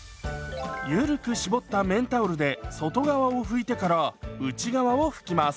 ゆるく絞った綿タオルで外側を拭いてから内側を拭きます。